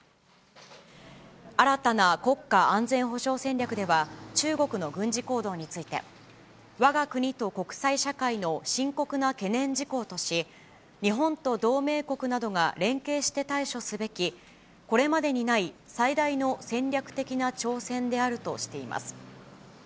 新たな国家安全保障戦略では、中国の軍事行動について、わが国と国際社会の深刻な懸念事項とし、日本と同盟国などが連携して対処すべきこれまでにない最大の戦略的な挑戦であるとしています。